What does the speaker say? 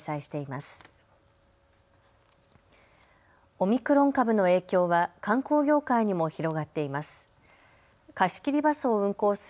オミクロン株の影響は観光業界にも広がっています。